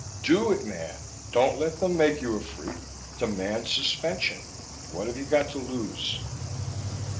Do it, man! Don't let them make you a freak demand suspension! What have you got to lose?"